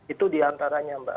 itu diantaranya mbak